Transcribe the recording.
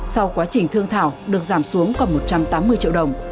sau quá trình thương thảo được giảm xuống còn một trăm tám mươi triệu đồng